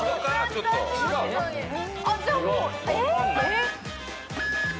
じゃあもうえっ？